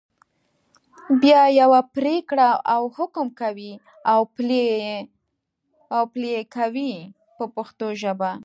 بیا یوه پرېکړه او حکم کوي او پلي یې کوي په پښتو ژبه.